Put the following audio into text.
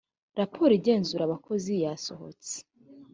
raporo igenzura abakozi yasohotse.